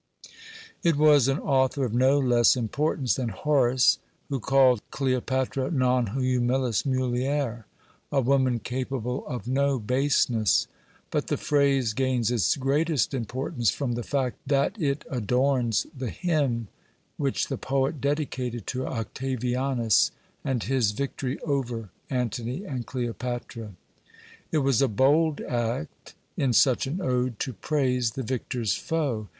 It was an author of no less importance than Horace who called Cleopatra "non humilis mulier" a woman capable of no baseness. But the phrase gains its greatest importance from the fact that it adorns the hymn which the poet dedicated to Octavianus and his victory over Antony and Cleopatra. It was a bold act, in such an ode, to praise the victor's foe.